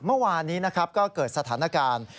เมื่อวานนี้นะครับก็เกิดสถานการณ์